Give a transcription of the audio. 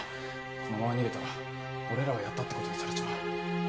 このまま逃げたら俺らがやったって事にされちまう。